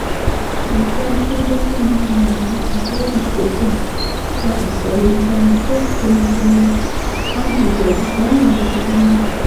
Kino kyampitirirako omuwala avubuse okwetikka ekibbo kya kasooli ntandike okutembeeya anti gwe zisanga azigumira.